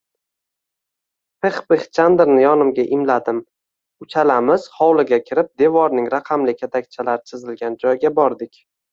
Pixpix Chandrni yonimga imladim, uchalamiz hovliga kirib, devorning raqamli katakchalar chizilgan joyiga bordik